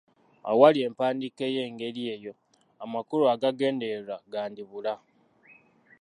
Awali empandiika ey’engeri eyo, amakulu agagendererwa gandibula.